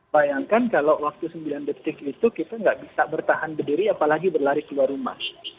bayangkan kalau waktu sembilan detik itu kita nggak bisa bertahan berdiri apalagi berlari keluar rumah